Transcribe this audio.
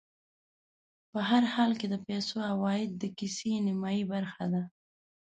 په هر حالت کې د پیسو عوايد د کيسې نیمایي برخه ده